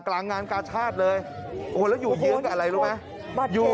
กลางงานกาชาติเลยโอ้โหแล้วอยู่เฮียงกับอะไรรู้ไหมอยู่